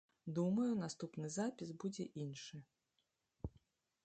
Думаю, наступны запіс будзе іншы.